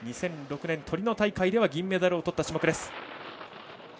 ２００６年、トリノ大会では銀メダルをとった種目です。